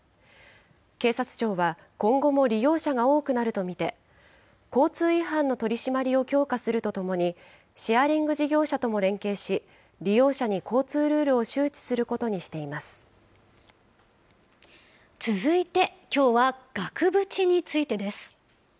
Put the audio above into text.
警察庁は、今後も利用者が多くなると見て、交通違反の取締りを強化するとともに、シェアリング事業者とも連携し、利用者に交通ルールを周知するこ続いて、きょうは額縁についてです。